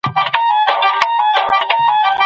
د دغي ودانۍ په خونه کي شاګردان د ژبو په زده کړه بوخت دي.